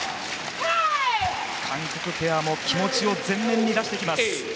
韓国ペアも気持ちを前面に出してきます。